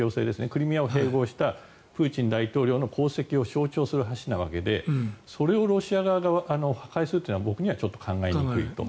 クリミアを併合したプーチン大統領の功績を象徴する橋な訳でそれをロシア側が破壊するというのは僕にはちょっと考えにくいと。